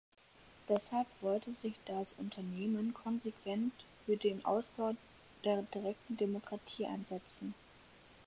Deshalb wollte sich das „Unternehmen“ konsequent für den Ausbau der direkten Demokratie einsetzen.